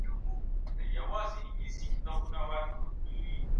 هغه څوک چي اقتصاد پوهیږي د پیسو ارزښت پیژني.